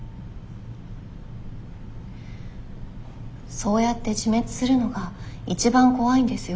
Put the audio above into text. そうやって自滅するのが一番怖いんですよ。